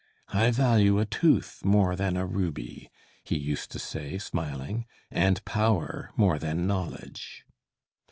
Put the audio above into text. "I value a tooth more than a ruby," he used to say, smiling, "and power more than knowledge."